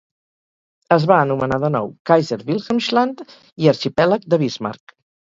Es va anomenar de nou Kaiser-Wilhelmsland i Arxipèlag de Bismarck.